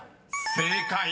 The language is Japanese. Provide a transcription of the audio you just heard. ［正解］